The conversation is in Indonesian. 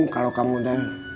kalau kamu udah